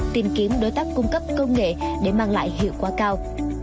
tìm kiếm đối tác cung cấp công nghệ để mang lại hiệu quả cao